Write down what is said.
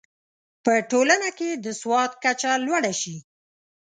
په ټولنه کې د سواد کچه لوړه شي.